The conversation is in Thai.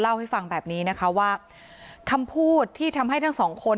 เล่าให้ฟังแบบนี้นะคะว่าคำพูดที่ทำให้ทั้งสองคน